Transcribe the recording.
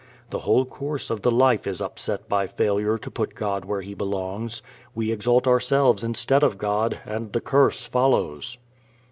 The whole course of the life is upset by failure to put God where He belongs. We exalt ourselves instead of God and the curse follows.